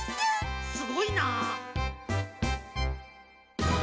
すごいなあ。